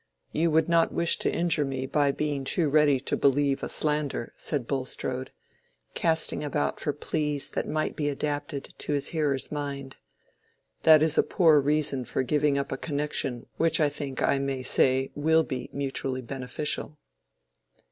You would not wish to injure me by being too ready to believe a slander," said Bulstrode, casting about for pleas that might be adapted to his hearer's mind. "That is a poor reason for giving up a connection which I think I may say will be mutually beneficial."